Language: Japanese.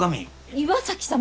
岩崎様！？